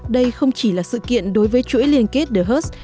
đây không chỉ là sự kiện đối với chuỗi liên kết the hust